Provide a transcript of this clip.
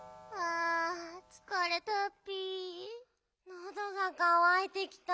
のどがかわいてきた。